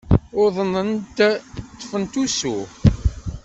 Uḍnent, ṭṭfent usu.